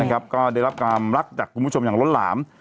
ก็ได้รับความรักจากคุณผู้ชมอย่างล้นหลาม